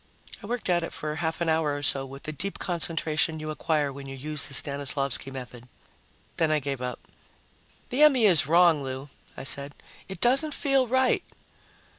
I worked at it for half an hour or so with the deep concentration you acquire when you use the Stanislavsky method. Then I gave up. "The M.E. is wrong, Lou," I said. "It doesn't feel right."